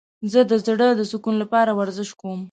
زه د زړه د سکون لپاره ورزش کوم.